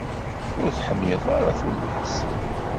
Ur tḥemmleḍ ara tullas?